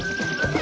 あ。